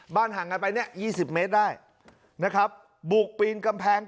บ้านห่างกันไปเนี้ยยี่สิบเมตรได้นะครับบุกปีนกำแพง